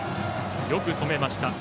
よく止めました。